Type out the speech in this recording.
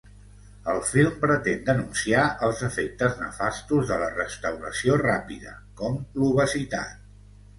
El film pretén denunciar els efectes nefastos de la restauració ràpida, com l'obesitat.